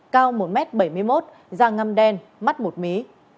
cao một m bảy mươi một da ngăm đen mắt mụt mí